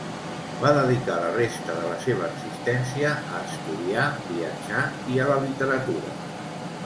Va dedicar la resta de la seva existència a estudiar, viatjar i a la literatura.